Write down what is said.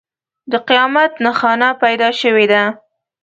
د قیامت نښانه پیدا شوې ده.